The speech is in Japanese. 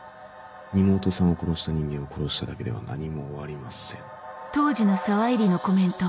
妹さんを殺した人間を殺しただけでは何も終わりません」。